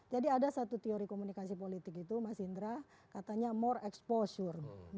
jadi ada satu teori komunikasi politik itu mas indra katanya more exposure